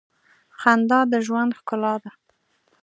خندا د ژوند ښکلا ده.